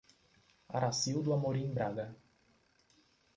Aracildo Amorim Braga